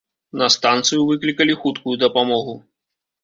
На станцыю выклікалі хуткую дапамогу.